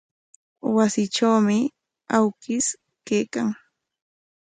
Wasitrawmi awkish kaykan.